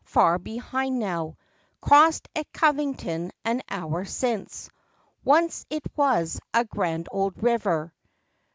far behind, now; Crossed at Covington an hour since. Once it was a grand old river, FACTS AND FANCIES.